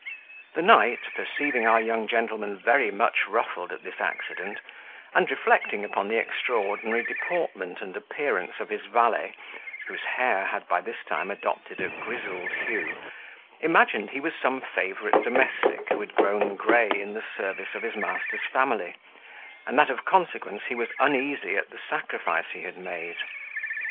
The knight, perceiving our young gentleman very much ruffled at this accident, and reflecting upon the extraordinary deportment and appearance of his valet, whose hair had by this time adopted a grizzled hue, imagined he was some favourite domestic, who had grown gray in the service of his master's family, and that, of consequence, he was uneasy at the sacrifice he had made.